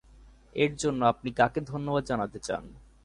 এর জন্য আপনি কাকে ধন্যবাদ জানাতে চান?